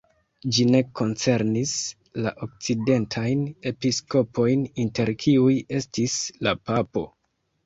Ĝi ne koncernis la okcidentajn episkopojn, inter kiuj estis la papo.